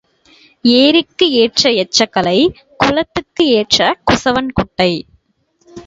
ஏரிக்கு ஏற்ற எச்சக்கலை குலத்துக்கு ஏற்ற குசவன் குட்டை.